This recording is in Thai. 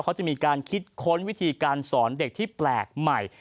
เขาจะมีการคิดค้นวิธีการสอนเด็กที่แปลกใหม่